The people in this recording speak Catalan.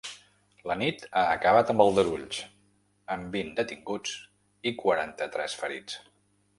La nit ha acabat amb aldarulls, amb vint detinguts i quaranta-tres ferits.